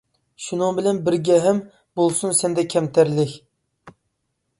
شۇنىڭ بىلەن بىرگە ھەم، بولسۇن سەندە كەمتەرلىك.